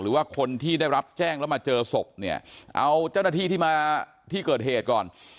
หรือว่าคนที่ได้รับแจ้งแล้วมาเจอศพเนี่ยเอาเจ้าหน้าที่ที่มาที่เกิดเหตุก่อน